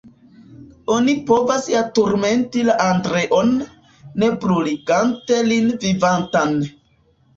Oni povas ja turmenti la Andreon, ne bruligante lin vivantan.